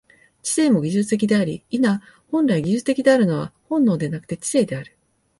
知性も技術的であり、否、本来技術的であるのは本能でなくて知性である。